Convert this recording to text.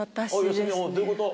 吉住どういうこと？